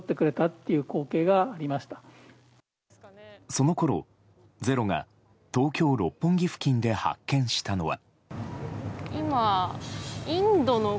そのころ、「ｚｅｒｏ」が東京・六本木付近で発見したのは。